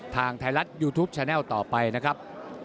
ทางไทยรัฐยูทูปแชนัลต่อไปนะครับ